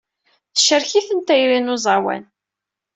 Tecrek-iten tayri n uẓawan.